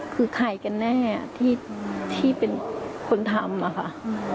คือใครแกนแน่ที่ที่เป็นคนทำว่าคะ